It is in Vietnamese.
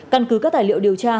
căn cứ các tài liệu điều tra